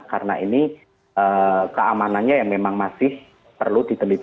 karena ini keamanannya yang memang masih perlu diteliti